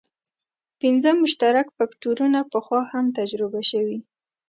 پنځه مشترک فکټورونه پخوا هم تجربه شوي.